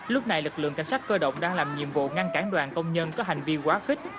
lúc này lực lượng cảnh sát cơ động đang làm nhiệm vụ ngăn cản đoàn công nhân có hành vi quá khích